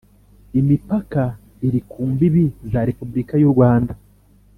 Imipaka iri ku mbibi za Repubulika y’u Rwanda